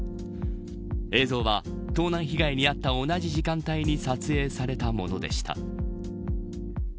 映像は盗難被害に遭った同じ時間帯に撮影されたものでした。